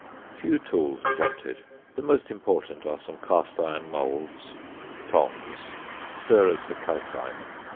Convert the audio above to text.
Few tools are wanted; the most important are some cast iron moulds, tongs (fig. 9), stirrers for calcining (fig.